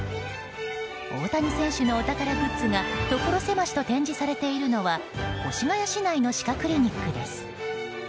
大谷選手のお宝グッズが所狭しと展示されているのは越谷市内の歯科クリニックです。